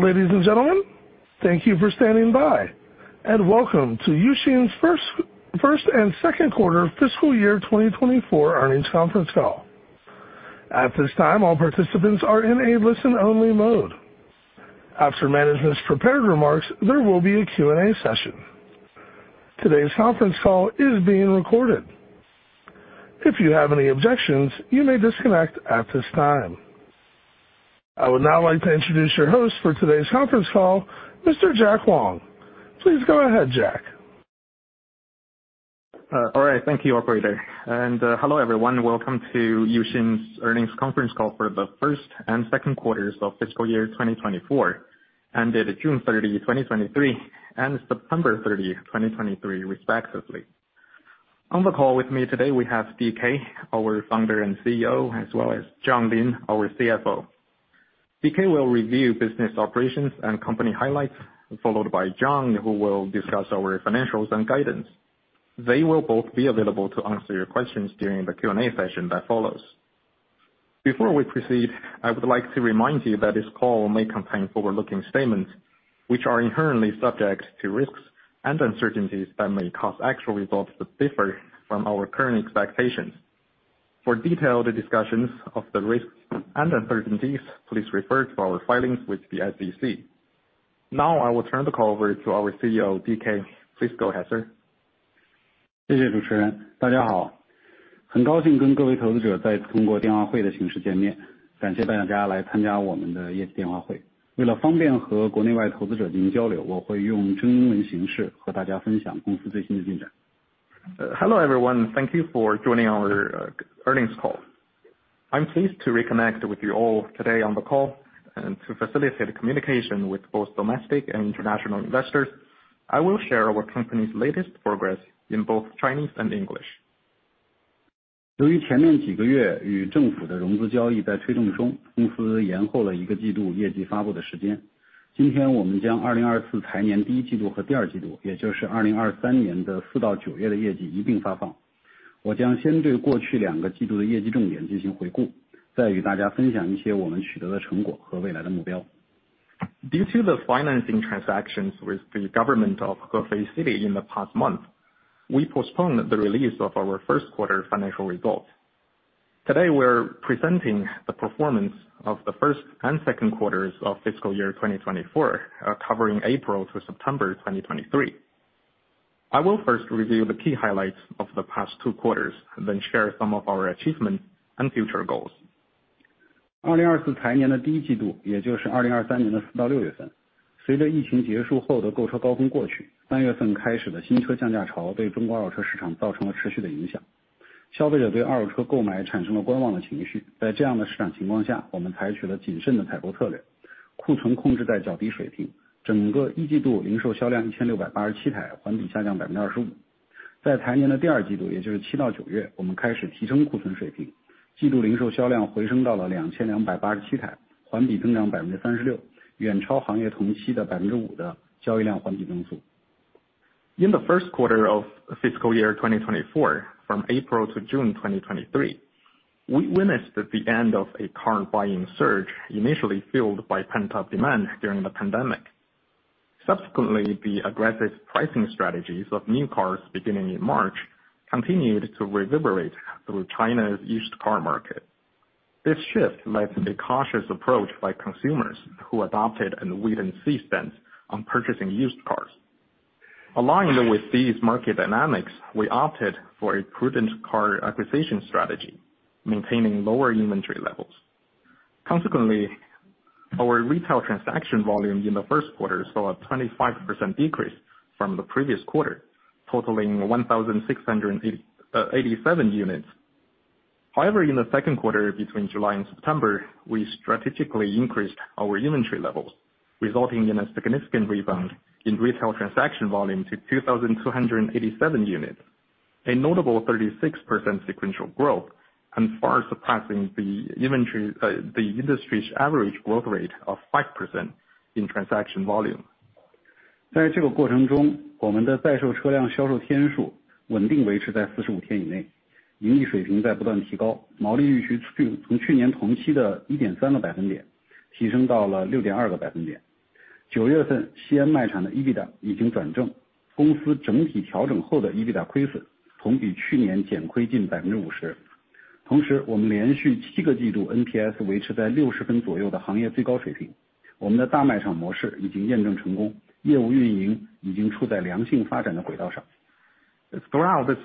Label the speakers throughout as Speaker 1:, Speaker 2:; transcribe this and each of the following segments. Speaker 1: Ladies and gentlemen, thank you for standing by, and welcome to Uxin's first and second quarter fiscal year 2024 earnings conference call. At this time, all participants are in a listen-only mode. After management's prepared remarks, there will be a Q&A session. Today's conference call is being recorded. If you have any objections, you may disconnect at this time. I would now like to introduce your host for today's conference call, Mr. Jack Wang. Please go ahead, Jack.
Speaker 2: All right. Thank you, operator. Hello, everyone. Welcome to Uxin's earnings conference call for the first and second quarters of fiscal year 2024, ended June 30, 2023, and September 30, 2023, respectively. On the call with me today, we have DK, our founder and CEO, as well as John Lin, our CFO. DK will review business operations and company highlights, followed by John, who will discuss our financials and guidance. They will both be available to answer your questions during the Q&A session that follows. Before we proceed, I would like to remind you that this call may contain forward-looking statements, which are inherently subject to risks and uncertainties that may cause actual results to differ from our current expectations. For detailed discussions of the risks and uncertainties, please refer to our filings with the SEC. Now I will turn the call over to our CEO, DK. Please go ahead, sir.
Speaker 3: Hello, everyone, and thank you for joining our earnings call. I'm pleased to reconnect with you all today on the call, and to facilitate communication with both domestic and international investors, I will share our company's latest progress in both Chinese and English. Hello, everyone. Thank you for joining our earnings call. I'm pleased to reconnect with you all today on the call, and to facilitate communication with both domestic and international investors, I will share our company's latest progress in both Chinese and English. Due to the financing transactions with the government of Hefei City in the past month, we postponed the release of our first quarter financial results. Today, we're presenting the performance of the first and second quarters of fiscal year 2024, covering April to September 2023.
Speaker 2: I will first review the key highlights of the past two quarters, then share some of our achievements and future goals. In the first quarter of fiscal year 2024, from April to June 2023, we witnessed the end of a car-buying surge, initially fueled by pent-up demand during the pandemic. Subsequently, the aggressive pricing strategies of new cars beginning in March continued to reverberate through China's used car market. This shift led to a cautious approach by consumers, who adopted a wait-and-see stance on purchasing used cars. Aligned with these market dynamics, we opted for a prudent car acquisition strategy, maintaining lower inventory levels. Consequently, our retail transaction volume in the first quarter saw a 25% decrease from the previous quarter, totaling 1,687 units. However, in the second quarter, between July and September, we strategically increased our inventory levels, resulting in a significant rebound in retail transaction volume to 2,287 units, a notable 36% sequential growth, and far surpassing the industry's average growth rate of 5% in transaction volume. Throughout this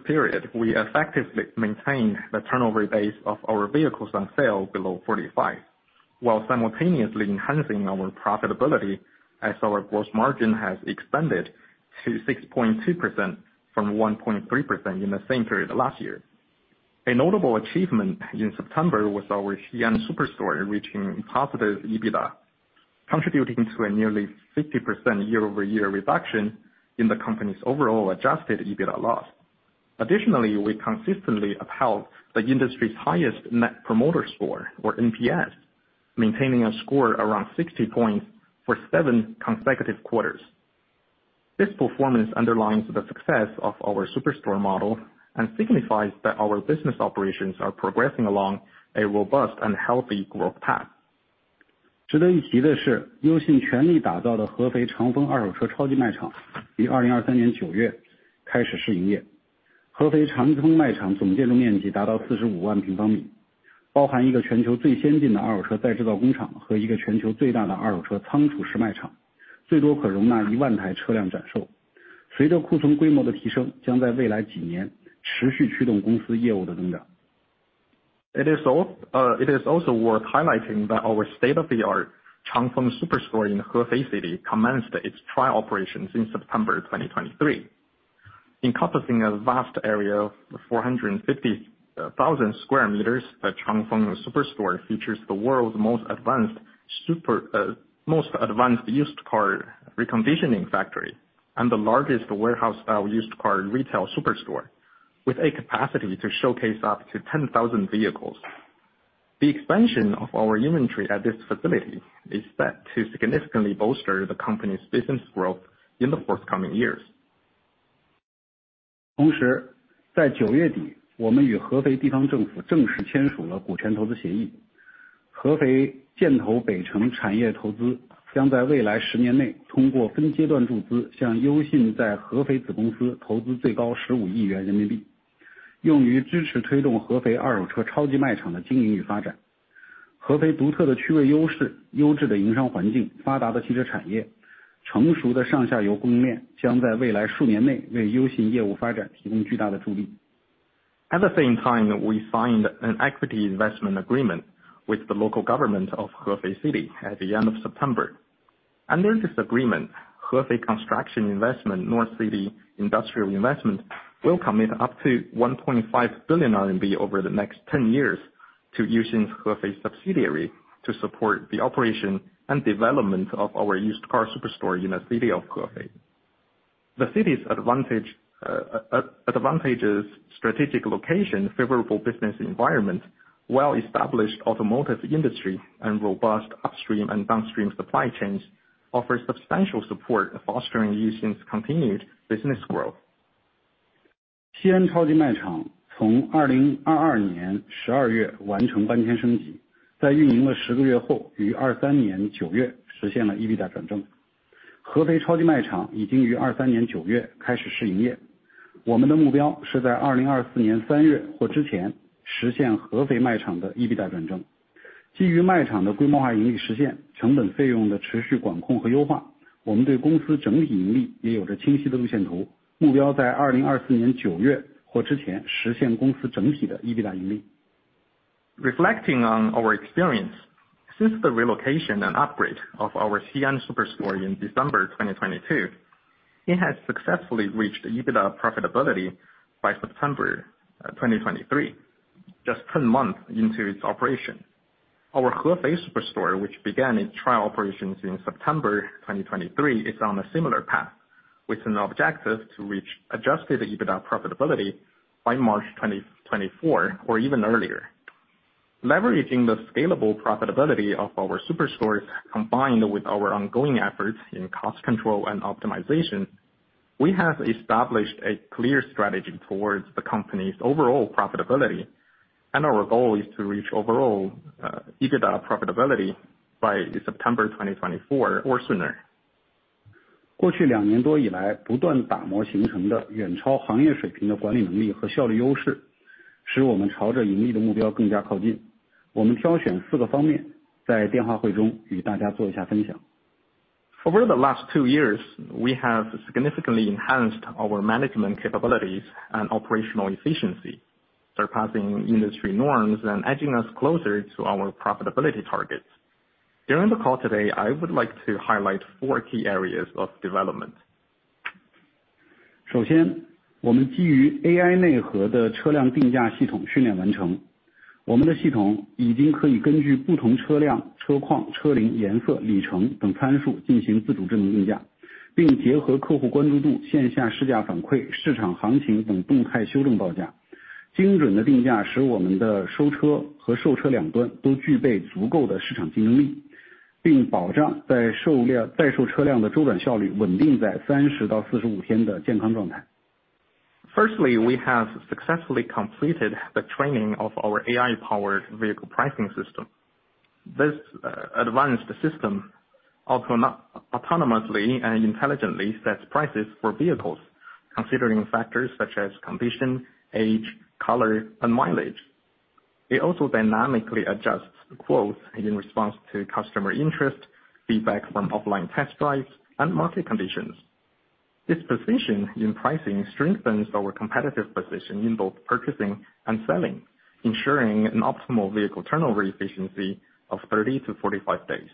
Speaker 2: period, we effectively maintained the turnover base of our vehicles on sale below 45, while simultaneously enhancing our profitability as our gross margin has expanded to 6.2% from 1.3% in the same period last year. A notable achievement in September was our Xi'an superstore, reaching positive EBITDA, contributing to a nearly 50% year-over-year reduction in the company's overall adjusted EBITDA loss. Additionally, we consistently upheld the industry's highest net promoter score, or NPS, maintaining a score around 60 points for seven consecutive quarters. This performance underlines the success of our superstore model and signifies that our business operations are progressing along a robust and healthy growth path.
Speaker 3: 值得一提的是，优信全力打造的合肥长丰二手车超级卖场，于2023年9月开始试营业。合肥长丰卖场总建筑面积达到450,000平方米，包含一个全球最先进的手车再制造工厂和一个全球最大的二手车仓储式卖场，最多可容纳10,000台车辆展售。随着库存规模的提升，将在未来几年持续驱动公司业务的增长。
Speaker 2: It is also worth highlighting that our state-of-the-art Changfeng Superstore in Hefei City commenced its trial operations in September 2023. Encompassing a vast area of 450,000 square meters, the Changfeng Superstore features the world's most advanced used car reconditioning factory, and the largest warehouse-style used car retail superstore, with a capacity to showcase up to 10,000 vehicles. The expansion of our inventory at this facility is set to significantly bolster the company's business growth in the forthcoming years. At the same time, we signed an equity investment agreement with the local government of Hefei City at the end of September. Under this agreement, Hefei Construction Investment North City Industrial Investment will commit up to 1.5 billion RMB over the next 10 years to using Hefei subsidiary to support the operation and development of our used car superstore in the City of Hefei. The city's advantages, strategic location, favorable business environment, well-established automotive industry and robust upstream and downstream supply chains offer substantial support, fostering Uxin's continued business growth.
Speaker 3: The Xi'an superstore completed a comprehensive upgrade in December 2022. After operating for 10 months, it achieved positive EBITDA in September 2023. The Hefei superstore has already started trial operations in September 2023. Our goal is to achieve positive EBITDA for the Hefei superstore in March 2024 or before. Based on the realization of scaled profitability for the superstores, the continuous control and optimization of costs and expenses, we also have a clear roadmap for the company's overall profitability, with the goal to achieve overall EBITDA profitability for the company in September 2024 or before.
Speaker 2: Reflecting on our experience, since the relocation and upgrade of our Xi'an superstore in December 2022, it has successfully reached the EBITDA profitability by September 2023, just 10 months into its operation. Our Hefei superstore, which began its trial operations in September 2023, is on a similar path, with an objective to reach adjusted EBITDA profitability by March 2024 or even earlier. Leveraging the scalable profitability of our superstores, combined with our ongoing efforts in cost control and optimization, we have established a clear strategy towards the company's overall profitability, and our goal is to reach overall EBITDA profitability by September 2024 or sooner.
Speaker 3: 过去两年多以来，不断打磨形成的远超行业水平的管理能力和效率优势，使我们朝着盈利的目标更加靠近。我们挑选四个方面在电话会中与大家做一下分享。
Speaker 2: Over the last two years, we have significantly enhanced our management capabilities and operational efficiency, surpassing industry norms and edging us closer to our profitability targets. During the call today, I would like to highlight four key areas of development. Firstly, we have successfully completed the training of our AI-powered vehicle pricing system. This advanced system autonomously and intelligently sets prices for vehicles, considering factors such as condition, age, color, and mileage. It also dynamically adjusts quotes in response to customer interest, feedback from offline test drives, and market conditions. This precision in pricing strengthens our competitive position in both purchasing and selling, ensuring an optimal vehicle turnover efficiency of 30-45 days.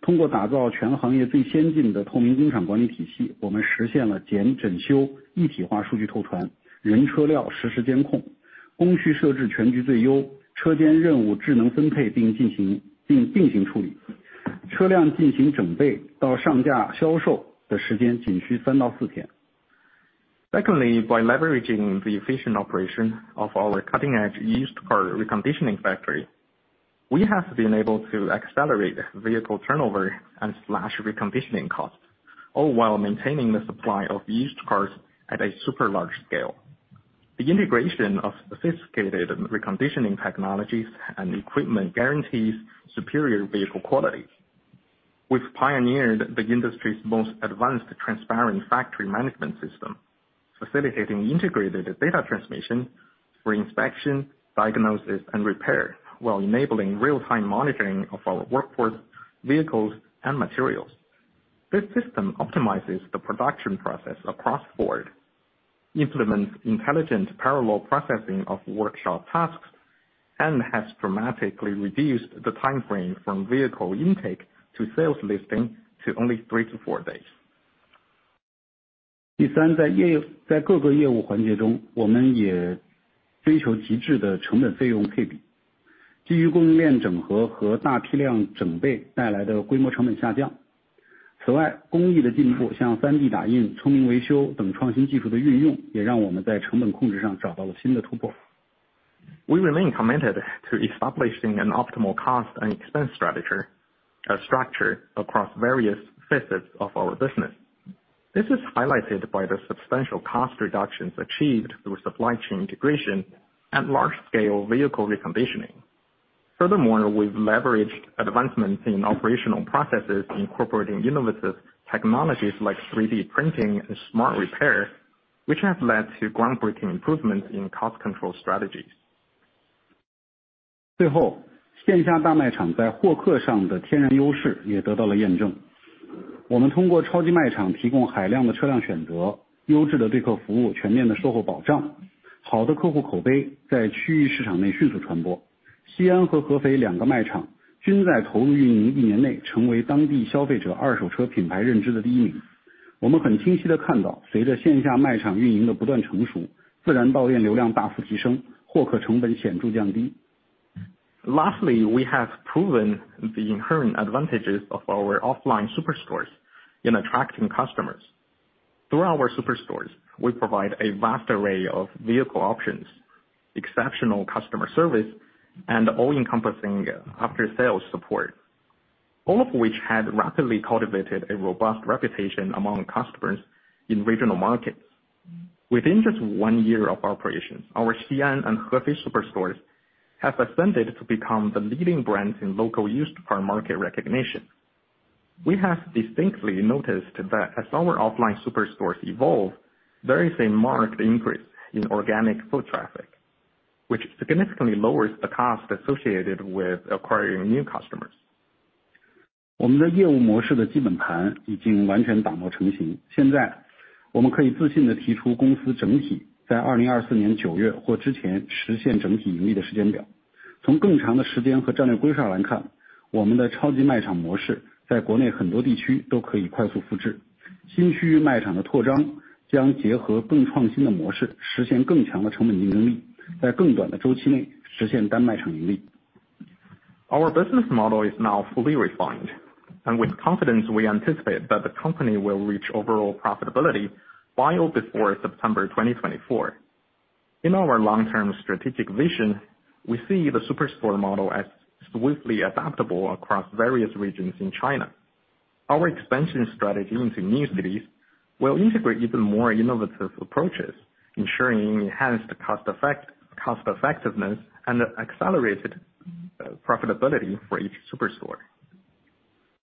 Speaker 3: 其次，依托于行业领先二手车再制造工厂的高效运转，我们可以在提供超大规模二手车供给的基础上，提升车辆流转的速度，降低整备的成本。先进的再制造技术和设备的引入，保障了车辆品质的输出。通过打造全行业最先进的透明工厂管理体系，我们实现了检修一体化数据透传，人、车、料实时监控，工序设置全局最优，车间任务智能分配并进行并行处理。车辆进行整备到上架销售的时间仅需3-4天。...
Speaker 2: Secondly, by leveraging the efficient operation of our cutting-edge used car reconditioning factory, we have been able to accelerate vehicle turnover and slash reconditioning costs, all while maintaining the supply of used cars at a super large scale. The integration of sophisticated reconditioning technologies and equipment guarantees superior vehicle quality. We've pioneered the industry's most advanced transparent factory management system, facilitating integrated data transmission for inspection, diagnosis, and repair, while enabling real-time monitoring of our workforce, vehicles, and materials. This system optimizes the production process across the board, implements intelligent parallel processing of workshop tasks, and has dramatically reduced the timeframe from vehicle intake to sales listing to only 3-4 days.
Speaker 3: 第三，在业内，在各个业务环节中，我们也追求极致的成本费用占比，基于供应链整合和批量整备带来的规模成本下降。此外，工艺的进步，像3D打印、聪明维修等创新技术的运用，也让我们在成本控制上找到了新的突破。
Speaker 2: We remain committed to establishing an optimal cost and expense strategy, structure across various facets of our business. This is highlighted by the substantial cost reductions achieved through supply chain integration and large-scale vehicle reconditioning. Furthermore, we've leveraged advancements in operational processes, incorporating innovative technologies like 3D printing and Smart Repair, which have led to groundbreaking improvements in cost control strategies.
Speaker 3: 最后，线下大卖场在获客上的天然优势也得到了验证。我们通过超级卖场提供海量的车辆选择，优质的对客服务，全面的售后保障，好的客户口碑在区域市场内迅速传播。西安和合肥两个卖场均在投入运营一年内成为当地消费者二手车品牌认知的第一名。我们很清晰地看到，随着线下卖场运营的不断成熟，自然到店流量大幅提升，获客成本显著降低。
Speaker 2: Lastly, we have proven the inherent advantages of our offline superstores in attracting customers. Through our superstores, we provide a vast array of vehicle options, exceptional customer service, and all-encompassing after-sales support, all of which had rapidly cultivated a robust reputation among customers in regional markets. Within just one year of operation, our Xi'an and Hefei superstores have ascended to become the leading brands in local used car market recognition. We have distinctly noticed that as our offline superstores evolve, there is a marked increase in organic foot traffic, which significantly lowers the cost associated with acquiring new customers.
Speaker 3: 我们的业务模式的基本盘已经完全打磨成型，现在我们可以自信地提出公司整体在2024年9月或之前实现整体盈利的时间表。从更长的时间和战略规划来看，我们的超级卖场模式在国内很多地区都可以快速复制，新区域卖场的扩张将结合更创新的模式，实现更强的成本竞争力，在更短的周期内实现单卖场盈利。
Speaker 2: Our business model is now fully refined, and with confidence, we anticipate that the company will reach overall profitability by or before September 2024. In our long-term strategic vision, we see the superstore model as swiftly adaptable across various regions in China. Our expansion strategy into new cities will integrate even more innovative approaches, ensuring enhanced cost effectiveness and accelerated profitability for each superstore.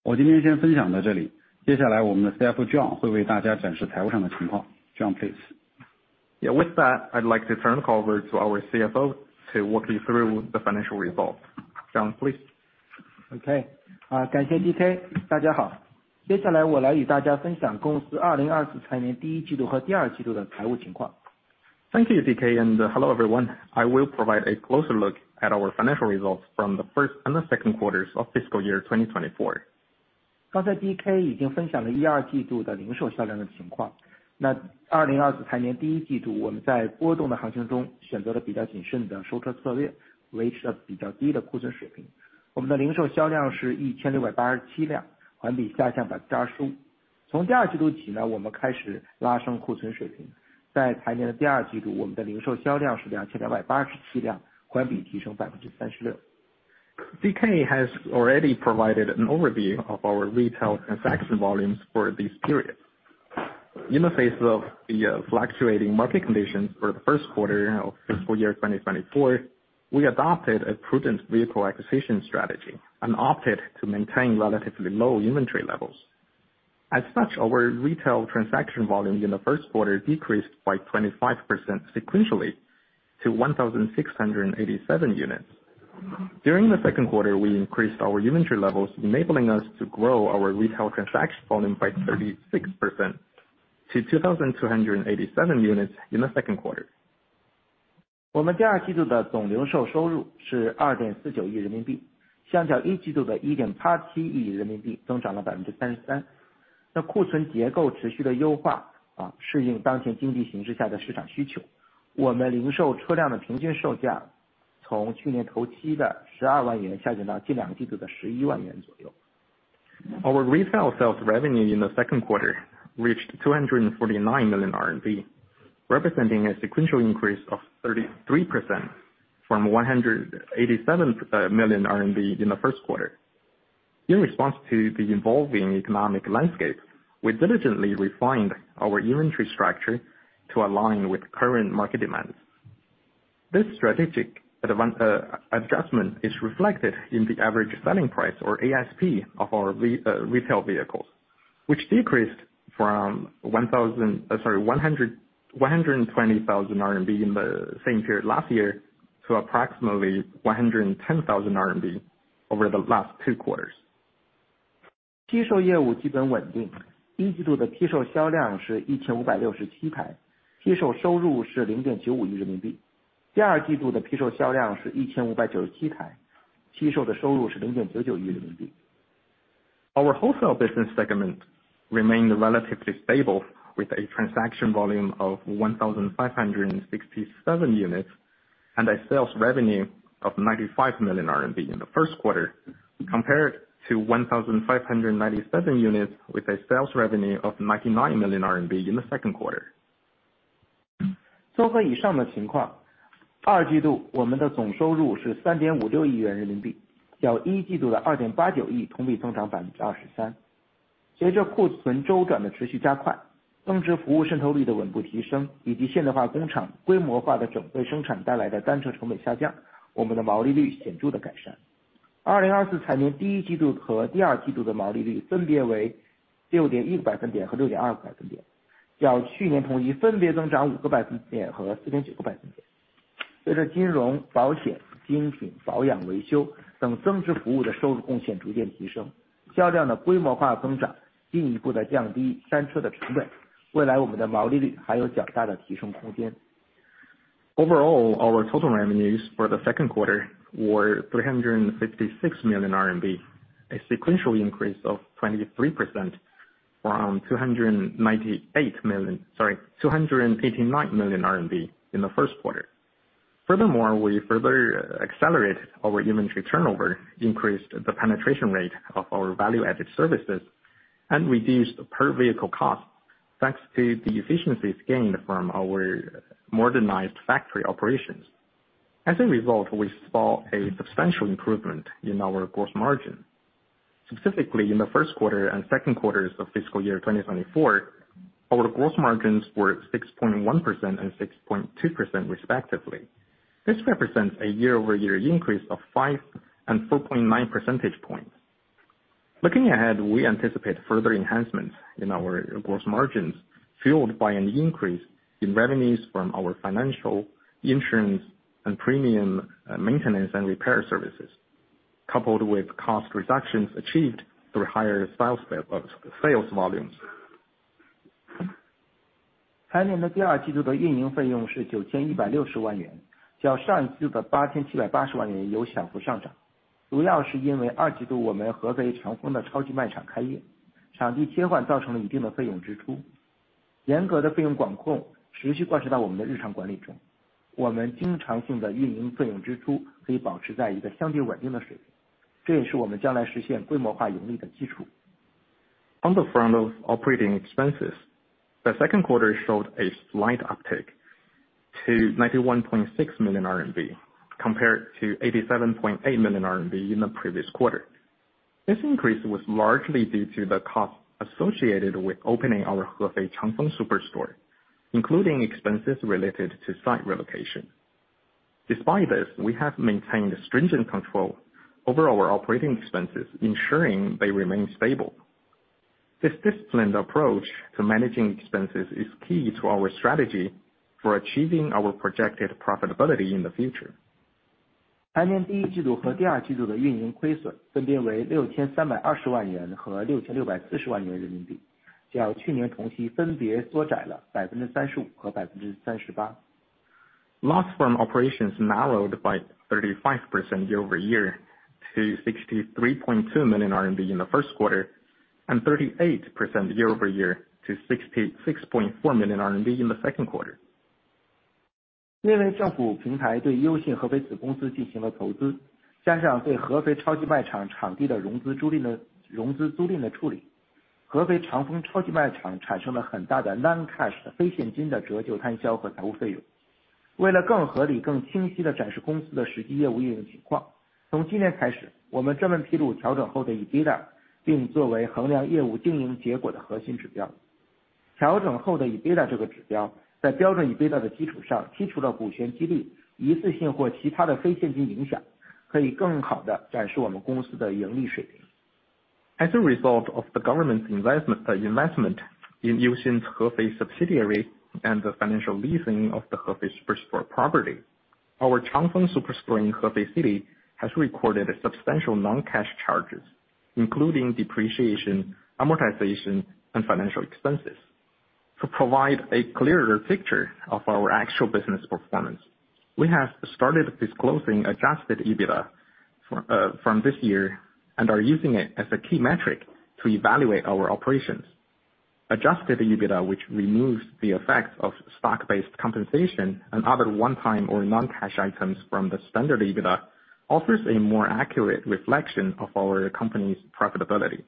Speaker 3: 我今天先分享到这里。接下来我们的CFO John会为大家展示财务上的情况。John, please.
Speaker 2: Yeah. With that, I'd like to turn the call over to our CFO to walk you through the financial results. John, please.
Speaker 4: Okay. 好，谢谢DK。大家好，接下来我来与大家分享公司2024财年第一季度和第二季度的财务情况。Thank you, DK, and hello, everyone. I will provide a closer look at our financial results from the first and the second quarters of fiscal year 2024. 刚才 DK 已经分享了一、二季度的零售销量的状况，那 2024 财年第一季度，我们在波动行情中选择了比较谨慎的收车策略，维持了比较低的库存水平。我们的零售销量是 1,687 辆，环比下降 25%。从第二季度起呢，我们开始拉升库存水平。在财年的第二季度，我们的零售销量是 2,287 辆，环比提升 36%。
Speaker 2: DK has already provided an overview of our retail transaction volumes for this period. In the face of the fluctuating market conditions for the first quarter of fiscal year 2024, we adopted a prudent vehicle acquisition strategy and opted to maintain relatively low inventory levels. As such, our retail transaction volume in the first quarter decreased by 25% sequentially to 1,687 units. During the second quarter, we increased our inventory levels, enabling us to grow our retail transaction volume by 36% to 2,287 units in the second quarter.
Speaker 4: 我们的第二季度的总零售收入是2.49亿人民币，相比一季度的1.87亿人民币，增长了33%。那库存结构持续的优化，适应当前经济形势下的市场需求，我们零售车辆的平均售价从去年同期的12万元下降到近两个季度的11万元左右。...
Speaker 2: Our retail sales revenue in the second quarter reached 249 million RMB, representing a sequential increase of 33% from 187 million RMB in the first quarter. In response to the evolving economic landscape, we diligently refined our inventory structure to align with current market demands. This strategic adjustment is reflected in the average selling price, or ASP, of our retail vehicles, which decreased from 1,000, sorry, 120,000 RMB in the same period last year to approximately 110,000 RMB over the last two quarters. Our wholesale business segment remained relatively stable, with a transaction volume of 1,567 units and a sales revenue of 95 million RMB in the first quarter, compared to 1,597 units with a sales revenue of RMB 99 million in the second quarter. Overall, our total revenues for the second quarter were 356 million RMB, a sequential increase of 23% from two hundred and ninety-eight... Sorry, 289 million RMB in the first quarter. Furthermore, we further accelerated our inventory turnover, increased the penetration rate of our value-added services, and reduced the per-vehicle cost, thanks to the efficiencies gained from our modernized factory operations. As a result, we saw a substantial improvement in our gross margin. Specifically, in the first quarter and second quarters of fiscal year 2024, our gross margins were 6.1% and 6.2% respectively. This represents a year-over-year increase of 5 and 4.9 percentage points. Looking ahead, we anticipate further enhancements in our gross margins, fueled by an increase in revenues from our financial, insurance, and premium, maintenance and repair services, coupled with cost reductions achieved through higher sales, sales volumes. On the front of operating expenses, the second quarter showed a slight uptick to 91.6 million RMB, compared to 87.8 million RMB in the previous quarter. This increase was largely due to the costs associated with opening our Hefei Changfeng Superstore, including expenses related to site relocation. Despite this, we have maintained stringent control over our operating expenses, ensuring they remain stable. This disciplined approach to managing expenses is key to our strategy for achieving our projected profitability in the future. Loss from operations narrowed by 35% year-over-year to 63.2 million RMB in the first quarter, and 38% year-over-year to 66.4 million RMB in the second quarter. As a result of the government's investment in Uxin Hefei's subsidiary and the financial leasing of the Hefei superstore property, our Changfeng Superstore in Hefei City has recorded a substantial non-cash charges, including depreciation, amortization, and financial expenses. To provide a clearer picture of our actual business performance, we have started disclosing adjusted EBITDA from this year, and are using it as a key metric to evaluate our operations. Adjusted EBITDA, which removes the effects of stock-based compensation and other one-time or non-cash items from the standard EBITDA, offers a more accurate reflection of our company's profitability.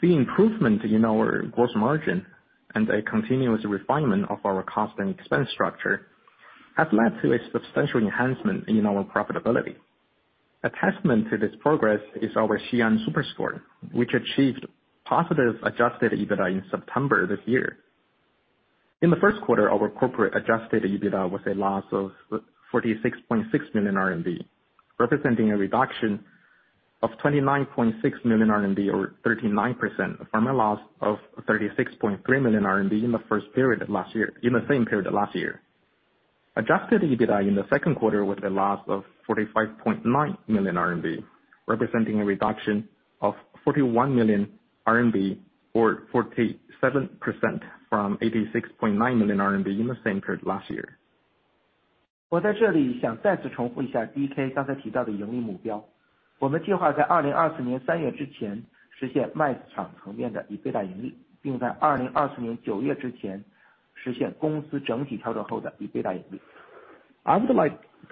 Speaker 2: The improvement in our gross margin and a continuous refinement of our cost and expense structure has led to a substantial enhancement in our profitability. A testament to this progress is our Xi'an superstore, which achieved positive adjusted EBITDA in September this year. In the first quarter, our corporate Adjusted EBITDA was a loss of 46.6 million RMB, representing a reduction of 29.6 million RMB, or 39%, from a loss of 36.3 million RMB in the first period of last year, in the same period of last year. Adjusted EBITDA in the second quarter was a loss of 45.9 million RMB, representing a reduction of 41 million RMB or 47% from 86.9 million RMB in the same period last year. I would like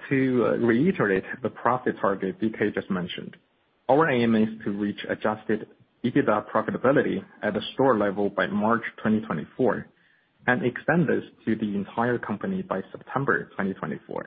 Speaker 2: to reiterate the profit target DK just mentioned. Our aim is to reach Adjusted EBITDA profitability at a store level by March 2024, and extend this to the entire company by September 2024.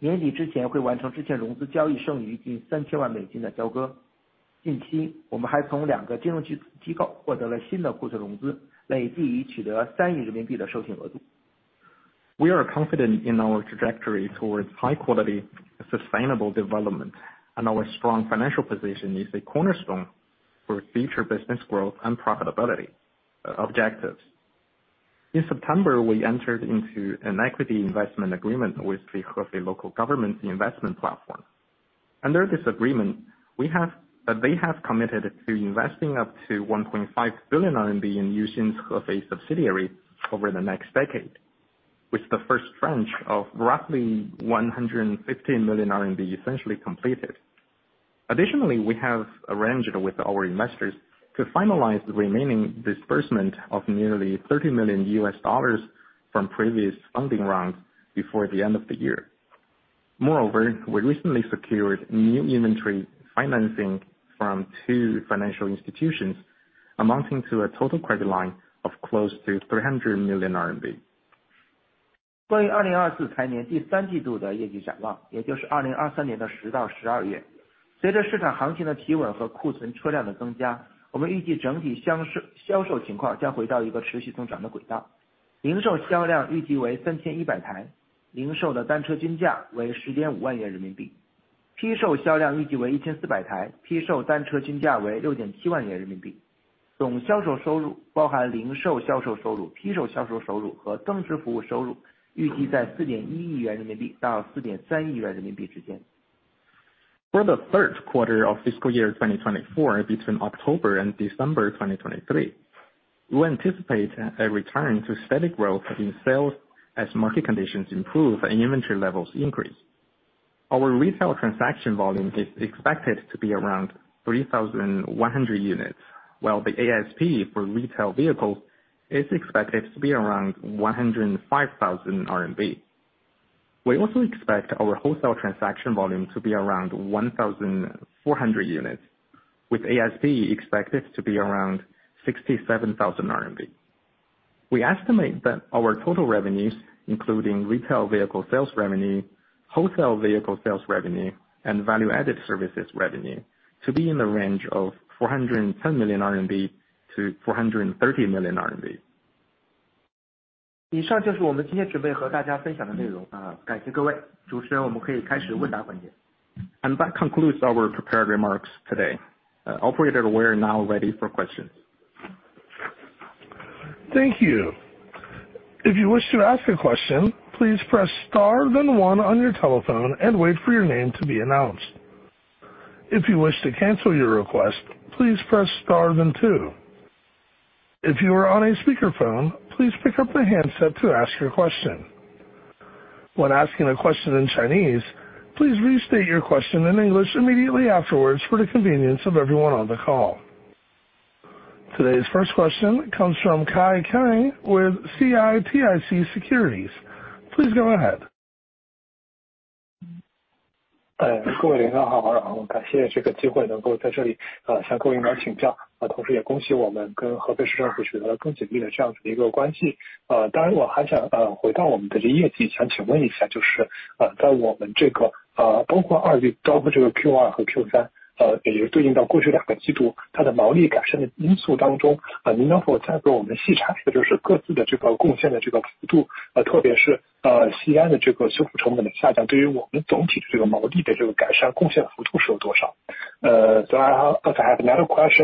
Speaker 2: We are confident in our trajectory towards high quality, sustainable development, and our strong financial position is a cornerstone for future business growth and profitability objectives. In September, we entered into an equity investment agreement with the Hefei local government investment platform. Under this agreement, they have committed to investing up to 1.5 billion RMB in Uxin's Hefei subsidiary over the next decade, with the first tranche of roughly 115 million RMB essentially completed. Additionally, we have arranged with our investors to finalize the remaining disbursement of nearly $30 million from previous funding rounds before the end of the year. Moreover, we recently secured new inventory financing from two financial institutions, amounting to a total credit line of close to RMB 300 million. For the third quarter of fiscal year 2024, between October and December 2023, we anticipate a return to steady growth in sales as market conditions improve and inventory levels increase. Our retail transaction volume is expected to be around 3,100 units, while the ASP for retail vehicles is expected to be around 105,000 RMB. We also expect our wholesale transaction volume to be around 1,400 units, with ASP expected to be around 67,000 RMB. We estimate that our total revenues, including retail vehicle sales revenue, wholesale vehicle sales revenue, and value-added services revenue, to be in the range of 410 million-430 million RMB. That concludes our prepared remarks today. Operator, we're now ready for questions.
Speaker 1: Thank you. If you wish to ask a question, please press star, then one on your telephone, and wait for your name to be announced. If you wish to cancel your request, please press star, then two. If you are on a speakerphone, please pick up the handset to ask your question. When asking a question in Chinese, please restate your question in English immediately afterwards for the convenience of everyone on the call.
Speaker 2: ...Today's first question comes from Kai Cheng with CITIC Securities. Please go ahead.
Speaker 5: 哎，各位领导好，感谢这个机会能够在这里，向各位领导请教，同时也恭喜我们跟河北省政府取得了更紧密的这样的一个关系。当然我还想，回到我们的业绩，想问一下，就是，在我们这个，包括二季，包括这个Q2和Q3，也对应到过去两个季度，它的毛利改善的因素当中，您能否再给我们细拆解，就是各自的这个贡献的这个幅度，特别是，西安的这个修复成本的下降，对于我们总体的这个毛利的这个改善贡献的幅度是多少？So I have another question,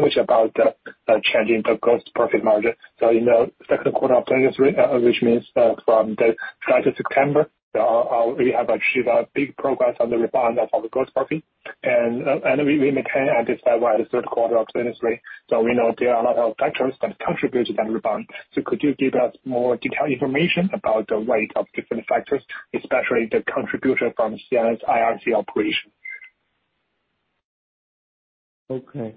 Speaker 5: which is about the changing the gross profit margin. So in the second quarter of 2023, which means, from the July to September, we have achieved a big progress on the rebound of the gross profit. And we maintain and despite where the third quarter of 2023, so we know there are a lot of factors that contributed to that rebound. So could you give us more detailed information about the rate of different factors, especially the contribution from Xi'an's IRC operation?
Speaker 4: OK,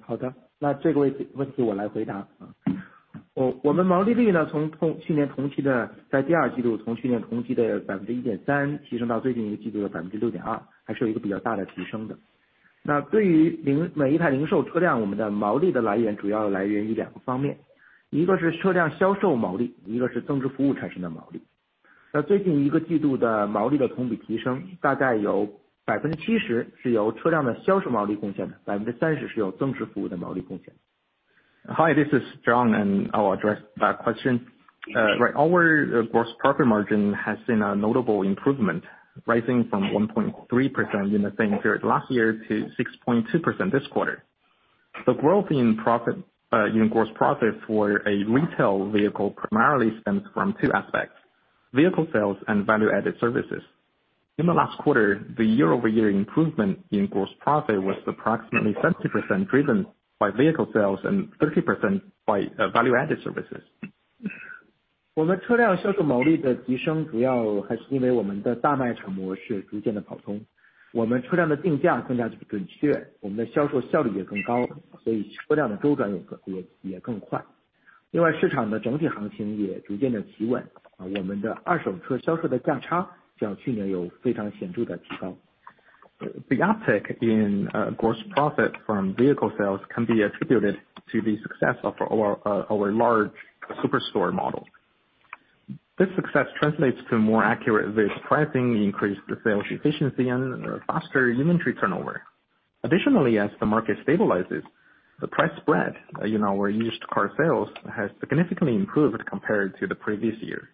Speaker 2: Hi, this is John, and I'll address that question. Right, our gross profit margin has seen a notable improvement, rising from 1.3% in the same period last year to 6.2% this quarter. The growth in profit, in gross profit for a retail vehicle primarily stems from two aspects: vehicle sales and value-added services. In the last quarter, the year-over-year improvement in gross profit was approximately 70%, driven by vehicle sales and 30% by value-added services.
Speaker 4: 我们的车辆销售毛利的提升，主要还是因为我们的大卖场模式逐渐地跑通，我们车辆的定价更加准确，我们的销售效率也更高，所以车辆的周转也更快。另外，市场的整体行情也逐渐地企稳，我们的二手车销售的价差较去年有非常显著的提高。
Speaker 2: The uptick in gross profit from vehicle sales can be attributed to the success of our large superstore model. This success translates to more accurate vehicle pricing, increased sales efficiency, and faster inventory turnover. Additionally, as the market stabilizes, the price spread in our used car sales has significantly improved compared to the previous year.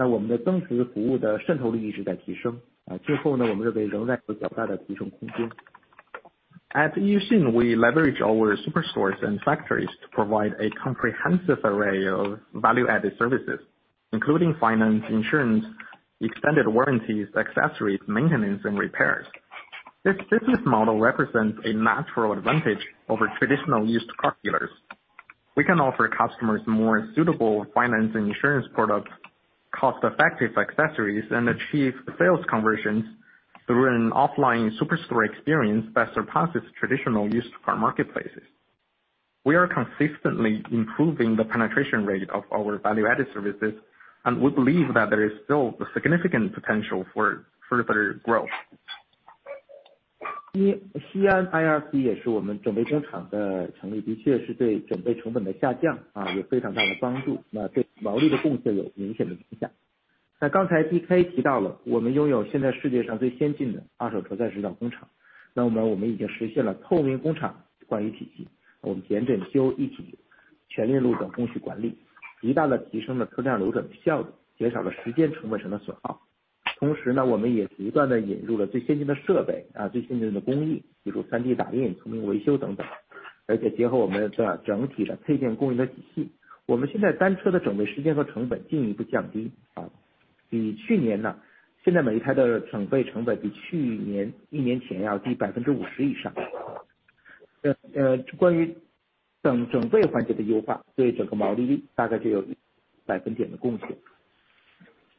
Speaker 2: At Uxin, we leverage our superstores and factories to provide a comprehensive array of value-added services, including finance, insurance, extended warranties, accessories, maintenance, and repairs. This business model represents a natural advantage over traditional used car dealers. We can offer customers more suitable finance and insurance products, cost-effective accessories, and achieve sales conversions through an offline superstore experience that surpasses traditional used car marketplaces. We are consistently improving the penetration rate of our value-added services, and we believe that there is still significant potential for further growth.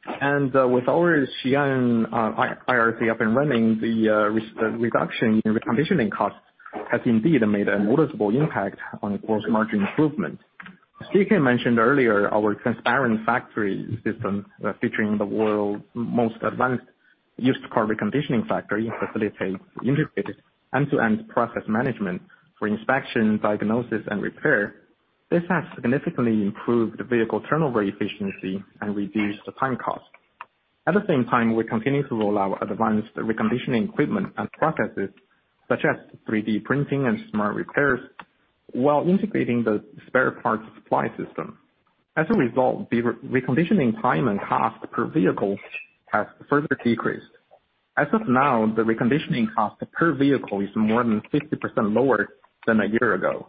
Speaker 2: With our Xi'an IRC up and running, the reduction in reconditioning costs has indeed made a noticeable impact on gross margin improvement. DK mentioned earlier, our transparent factory system, featuring the world's most advanced used car reconditioning factory, facilitates integrated end-to-end process management for inspection, diagnosis, and repair. This has significantly improved the vehicle turnover efficiency and reduced the time cost. At the same time, we continue to roll out advanced reconditioning equipment and processes such as 3D printing and smart repairs...while integrating the spare parts supply system. As a result, the reconditioning time and cost per vehicle has further decreased. As of now, the reconditioning cost per vehicle is more than 60% lower than a year ago.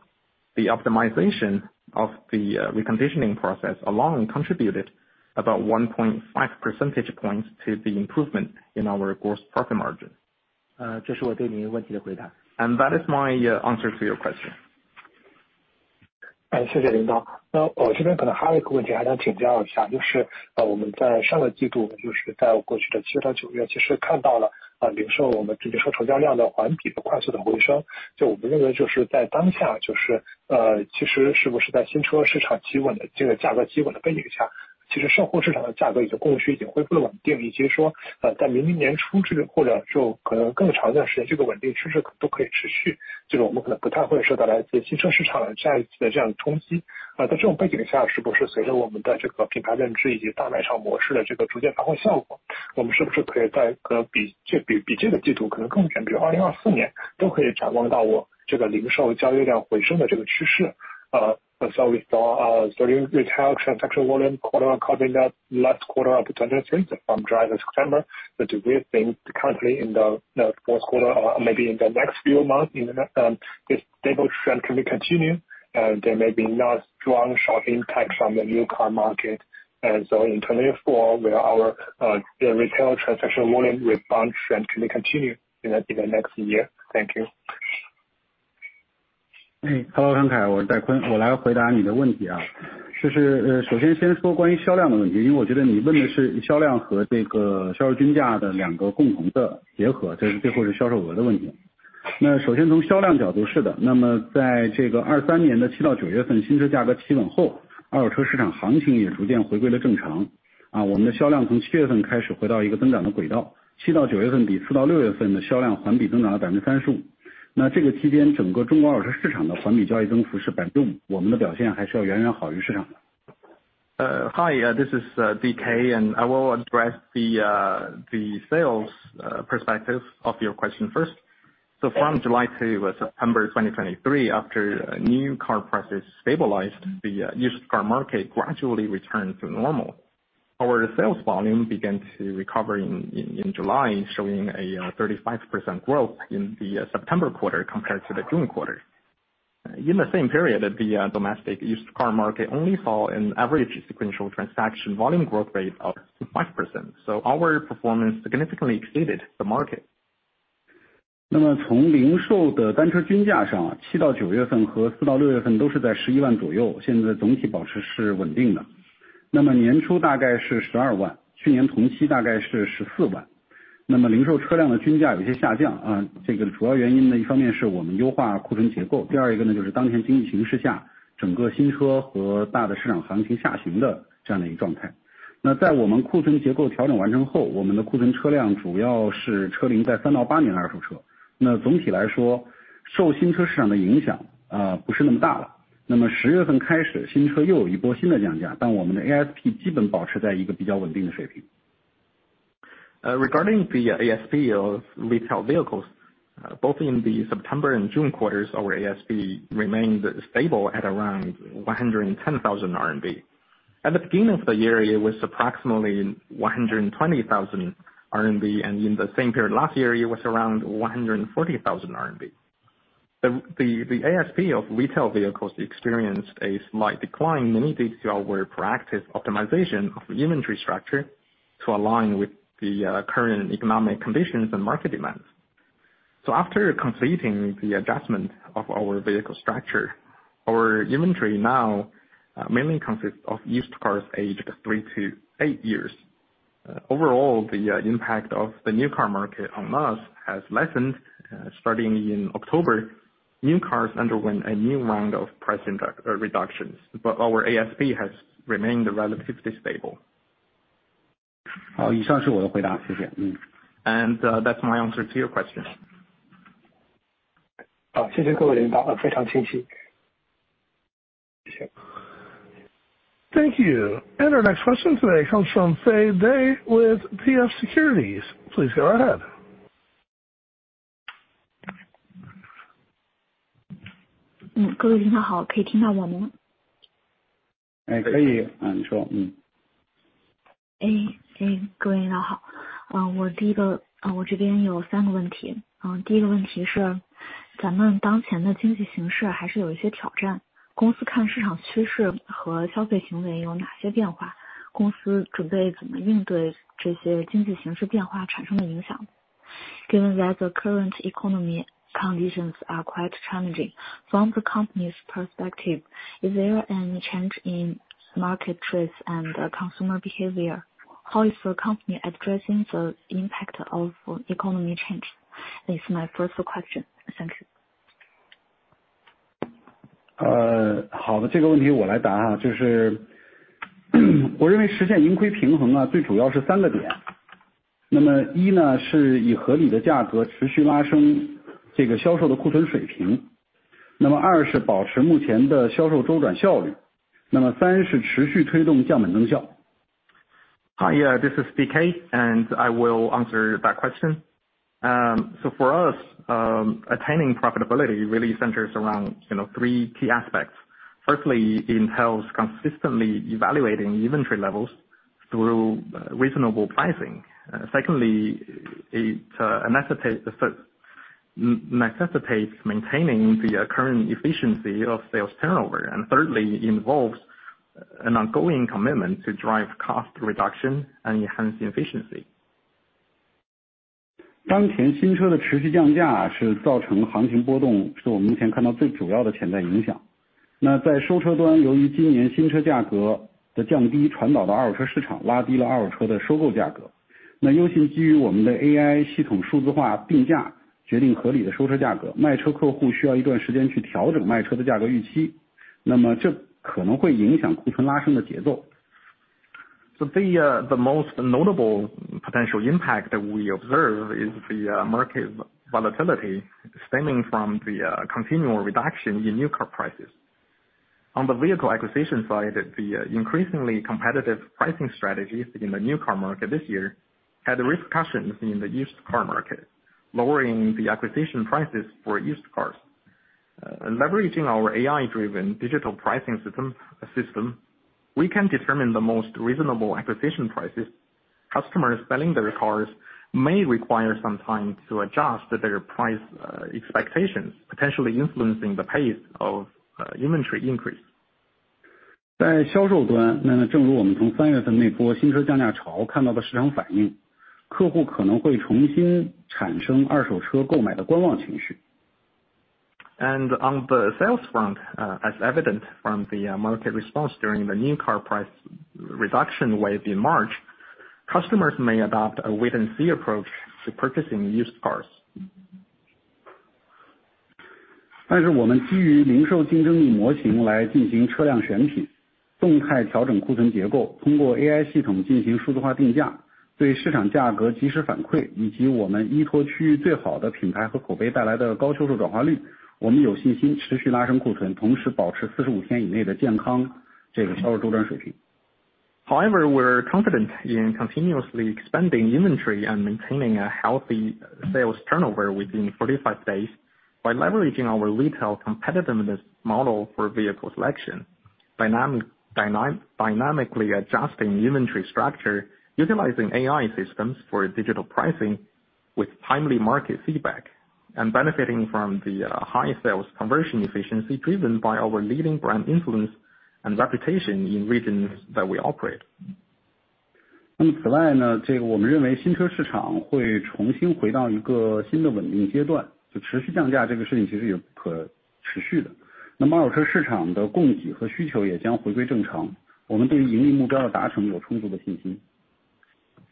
Speaker 2: The optimization of the reconditioning process alone contributed about 1.5 percentage points to the improvement in our gross profit margin.
Speaker 5: 这是我对你的问题的回答。
Speaker 2: That is my answer to your question.
Speaker 5: 哎，谢谢领导，那我这边可能还有一个问题还想请教一下，就是我们在上季度，在过去的7到9月，其实看到了，零售我们直接说成交量的环比快速回升，我们认为就是在当下，其实是不是在新车市场企稳的价格企稳背景下，其实二手车市场的价格以及供需已经恢复了稳定，以及，在明年年初或者可能更长一段时间，这个稳定趋势都可以持续，我们可能不太会受到来自新车市场的下一次这样的冲击。在这种背景下，是不是随着我们的这个品牌认知以及大卖场模式的这个逐渐发挥效果，我们是不是可以在可能比这，比，比这个季度可能更远，比如2024年，都可以展望得到这个零售交易量回升的这个趋势。So we saw our retail transaction volume quarter on quarter in the last quarter of 2023 from July to September. Do we think currently in the fourth quarter or maybe in the next few months, this stable trend can we continue? There may be not strong short impact from the new car market. And so in 2024, where our, the retail transaction volume rebound trend can continue in the next year. Thank you.
Speaker 3: Hello，我是戴坤，我来回答你的问题。首先，先说关于销量的这个问题，因为我觉得你问的是销量和这个销售均价的两个共同的结合，就是最后是销售额的问题。那么，首先从销量角度，是的，那么在这个2023年的七到九月份，新车价格企稳后，二手车市场行情也逐渐回归了正常。我们的销量从七月份开始回到一个增长的轨道，七到九月份比四到六月份的销量环比增长了35%。那么这个期间整个中国二手车市场的环比交易增幅是5%，我们的表现还是要远远好于市场的。
Speaker 2: Hi, this is DK, and I will address the sales perspective of your question first. So from July to September 2023, after new car prices stabilized, the used car market gradually returned to normal. Our sales volume began to recover in July, showing a 35% growth in the September quarter compared to the June quarter. In the same period, the domestic used car market only saw an average sequential transaction volume growth rate of 5%, so our performance significantly exceeded the market.
Speaker 3: 那么，从零售的单车均价上，7-9月份和4-6月份都是在RMB 11万左右，现在总体保持是稳定的，那么年初大概是RMB
Speaker 2: Regarding the ASP of retail vehicles, both in the September and June quarters, our ASP remained stable at around 110,000 RMB. At the beginning of the year, it was approximately 120,000 RMB, and in the same period last year it was around 140,000 RMB. The ASP of retail vehicles experienced a slight decline, mainly due to our practice optimization of inventory structure to align with the current economic conditions and market demands. So after completing the adjustment of our vehicle structure, our inventory now mainly consists of used cars aged 3-8 years. Overall, the impact of the new car market on us has lessened. Starting in October, new cars underwent a new round of price reductions, but our ASP has remained relatively stable.
Speaker 3: 好，以上是我的回答，谢谢。
Speaker 2: That's my answer to your question.
Speaker 5: 好，谢谢各位领导，非常清晰。谢谢。
Speaker 1: Thank you. Our next question today comes from Fei Dai with TF Securities. Please go ahead.
Speaker 6: 各位领导好，可以听到我吗？
Speaker 3: 可以，你说。
Speaker 6: Given that the current economic conditions are quite challenging, from the company's perspective, is there any change in market trends and consumer behavior? How is the company addressing the impact of economic change? This is my first question. Thank you.
Speaker 3: 好的，这个问题我来答，就是，我认为实现盈亏平衡，最主要的是三个点。那么一，是以合理的价格持续拉升这个销售的库存水平，那么二是保持目前的销售周转效率，那么三是持续推动降本增效。
Speaker 2: ...Hi, this is DK, and I will answer that question. So for us, attaining profitability really centers around, you know, three key aspects. Firstly, it entails consistently evaluating inventory levels through reasonable pricing. Secondly, it necessitates maintaining the current efficiency of sales turnover. And thirdly, it involves an ongoing commitment to drive cost reduction and enhance efficiency. So the most notable potential impact that we observe is the market volatility stemming from the continual reduction in new car prices. On the vehicle acquisition side, the increasingly competitive pricing strategies in the new car market this year had repercussions in the used car market, lowering the acquisition prices for used cars. Leveraging our AI-driven digital pricing system, we can determine the most reasonable acquisition prices. Customers selling their cars may require some time to adjust their price expectations, potentially influencing the pace of inventory increase. On the sales front, as evident from the market response during the new car price reduction wave in March, customers may adopt a wait-and-see approach to purchasing used cars. However, we're confident in continuously expanding inventory and maintaining a healthy sales turnover within 45 days by leveraging our retail competitiveness model for vehicle selection, dynamically adjusting inventory structure, utilizing AI systems for digital pricing with timely market feedback, and benefiting from the high sales conversion efficiency driven by our leading brand influence and reputation in regions that we operate.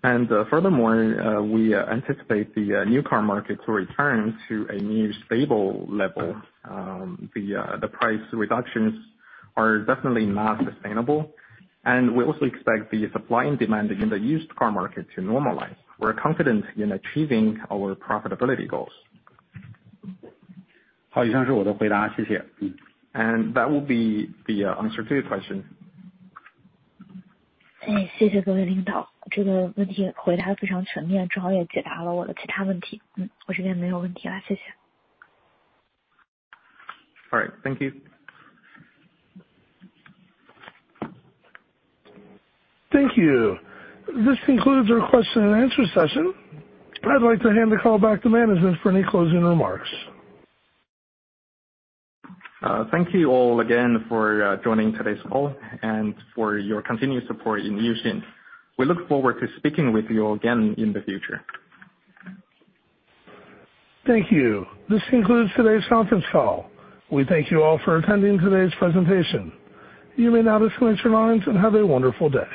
Speaker 2: Furthermore, we anticipate the new car market to return to a new stable level. The price reductions are definitely not sustainable, and we also expect the supply and demand in the used car market to normalize. We're confident in achieving our profitability goals. That will be the answer to your question.
Speaker 6: All right. Thank you.
Speaker 1: Thank you. This concludes our question and answer session. I'd like to hand the call back to management for any closing remarks.
Speaker 2: Thank you all again for joining today's call and for your continued support in Uxin. We look forward to speaking with you again in the future.
Speaker 1: Thank you. This concludes today's conference call. We thank you all for attending today's presentation. You may now disconnect your lines and have a wonderful day.